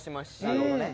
なるほどね。